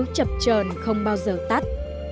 những ánh lửa chập trờn không bao giờ tắt